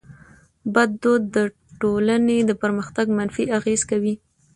بد دود د ټټولني پر پرمختګ منفي اغېز کوي.